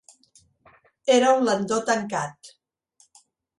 Era un landó tancat.